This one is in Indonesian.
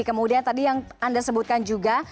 kemudian tadi yang anda sebutkan juga